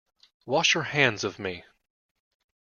Wash your hands of me.